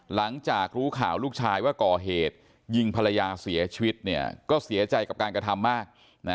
หลังจากรู้ข่าวลูกชายว่าก่อเหตุยิงภรรยาเสียชีวิตก็เสียใจกับการกระทำมาก